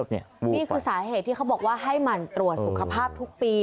นี่คือสาเหตุที่เขาบอกว่าให้หมั่นตรวจสุขภาพทุกปี